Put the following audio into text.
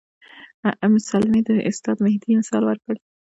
ام سلمې د استاد مهدي مثال ورکړ.